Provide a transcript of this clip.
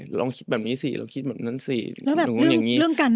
ลองคิดแบบนี้สิลองคิดแบบนั้นสินู่นอย่างนี้